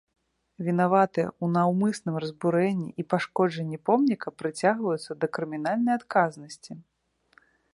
Вінаватыя ў наўмысным разбурэнні і пашкоджанні помніка прыцягваюцца да крымінальнай адказнасці.